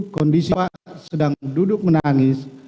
kondisi pak sedang duduk menangis